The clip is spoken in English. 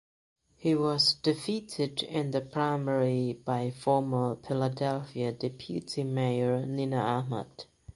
He was defeated in the primary by former Philadelphia deputy mayor Nina Ahmad.